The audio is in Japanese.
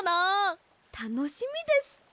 たのしみです。